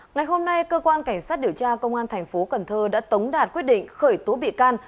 ngày hôm nay cơ quan cảnh sát điều tra công an thành phố cần thơ đã tống đạt quyết định khởi tố bị can